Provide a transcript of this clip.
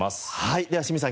では清水さん